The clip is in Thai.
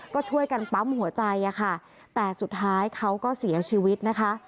ก็ช่วยกันปั๊มหัวใจอะค่ะแต่สุดท้ายเขาก็เสียชีวิตนะคะ